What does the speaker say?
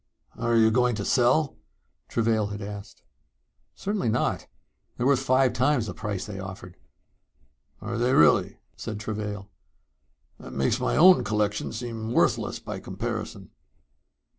"Are you going to sell?" Travail had asked. "Certainly not. They're worth five times the price they offered." "Are they really?" said Travail. "That makes my own collection seem worthless by comparison."